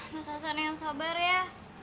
mas hasan yang sabar ya